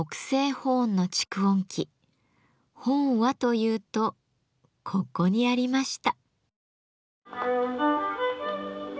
ホーンはというとここにありました。